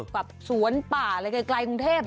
แบบสวนป่าอะไรไกลกรุงเทพ